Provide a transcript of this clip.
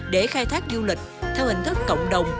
để khai thác du lịch theo hình thức cộng đồng